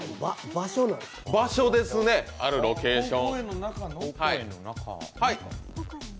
場所ですね、あるロケーション。